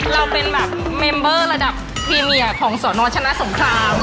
เราเป็นแบบเมมเบอร์ระดับพรีเมียของสนชนะสงคราม